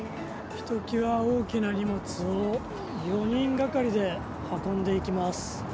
ひときわ大きな荷物を４人がかりで運んでいきます。